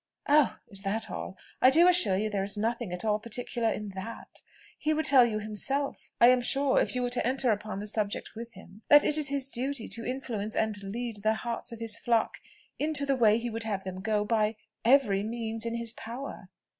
"Oh! is that all? I do assure you there is nothing at all particular in that. He would tell you himself, I am sure, if you were to enter upon the subject with him, that it is his duty to influence and lead the hearts of his flock into the way he would have them go, by every means in his power."